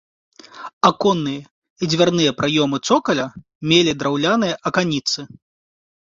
Аконныя і дзвярныя праёмы цокаля мелі драўляныя аканіцы.